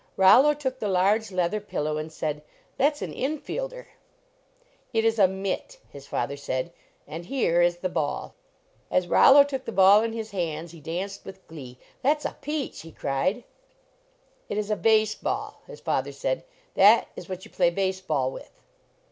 Rollo took the large leather pillow and said: "That s an infielder." " It is a mitt," his father said, " and here is the ball." As Rollo took the ball in his hands he danced with glee. "That s a peach," he cried. " It is a base ball," his father said, "that is what you play base ball with."